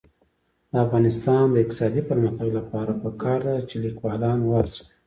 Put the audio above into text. د افغانستان د اقتصادي پرمختګ لپاره پکار ده چې لیکوالان وهڅوو.